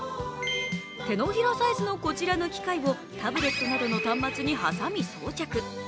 手のひらサイズのこちらの機械をタブレットなどの端末に挟み、装着。